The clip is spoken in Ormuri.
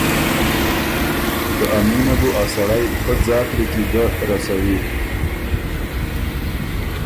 که ا مینه بُو ا سړئ پۀ ځاک لیکی ګۀ رَسَوی۔